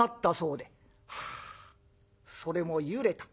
「はあそれもゆれた。